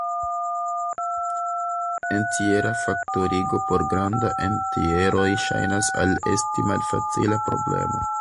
Entjera faktorigo por granda entjeroj ŝajnas al esti malfacila problemo.